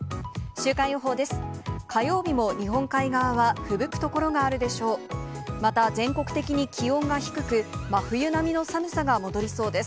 週間予報です。